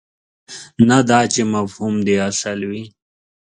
نه دا چې مفهوم دې اصل وي.